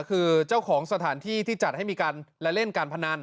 คือเจ้าของสถานที่ที่จัดให้มีการและเล่นการพนัน